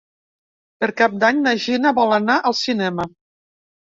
Per Cap d'Any na Gina vol anar al cinema.